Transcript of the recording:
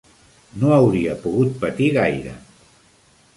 No hauria pogut patir gaire.